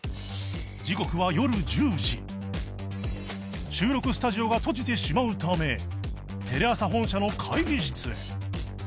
時刻は収録スタジオが閉じてしまうためテレ朝本社の会議室へ